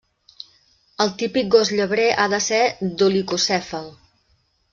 El típic gos llebrer ha de ser dolicocèfal.